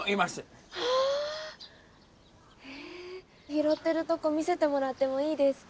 拾ってるとこ見せてもらってもいいですか？